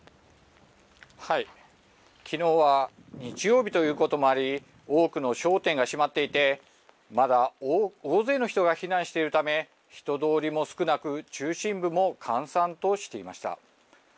きのうは日曜日ということもあり、多くの商店が閉まっていて、まだ大勢の人が避難しているため、人通りも少なく、中心部も閑散としていました。